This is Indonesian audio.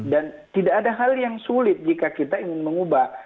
dan tidak ada hal yang sulit jika kita ingin mengubah